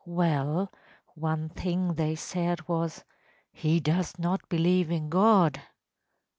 ‚ÄĚ “Well, one thing they said was, ‚ÄėHe does not believe in God.